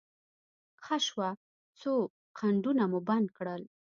ښه شوه، څو خنډونه مو بند کړل.